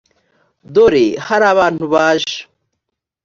dore hari abantu baje